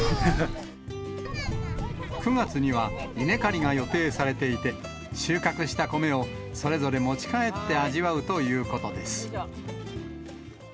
９月には、稲刈りが予定されていて、収穫した米を、それぞれ持ち帰って味わうということです。